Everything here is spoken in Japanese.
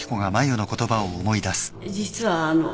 実はあのう。